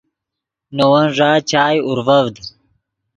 نے وؤ ݱا چائے اورڤڤد